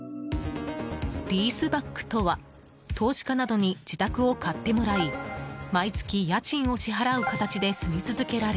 リースバックとは投資家などに自宅を買ってもらい毎月家賃を支払う形で住み続けられ